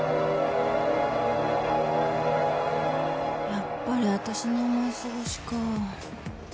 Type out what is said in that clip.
やっぱりわたしの思い過ごしか。